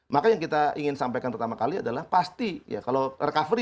maka yang kita ingin sampaikan pertama kali adalah pasti ya kalau recovery